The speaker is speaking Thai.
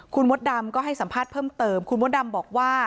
คุณมดดำก็ให้สัมภาษณ์เพิ่มเติมคุณมดดำบอกว่า